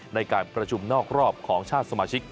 ในการประชุมนอกรอบของชาติสมาชิก